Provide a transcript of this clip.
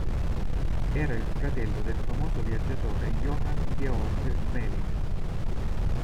Era il fratello del famoso viaggiatore Johann Georg Gmelin.